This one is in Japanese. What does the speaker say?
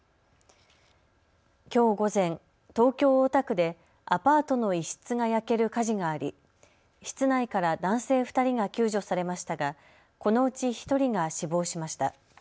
きょう午前、東京大田区でアパートの一室が焼ける火事があり室内から男性２人が救助されましたがこのうち１人が死亡しました。